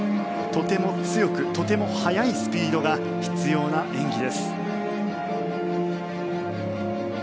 とても強くとても速いスピードが必要な演技です。